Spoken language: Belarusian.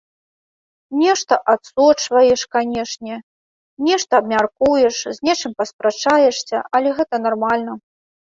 Нешта адсочваеш, канешне, нешта абмяркуеш, з нечым паспрачаешся, але гэта нармальна.